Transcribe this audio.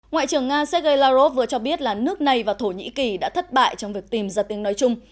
ngoại trưởng nga sergei lavrov vừa cho biết là nước này và thổ nhĩ kỳ đã thất bại trong việc tìm ra tiếng nói chung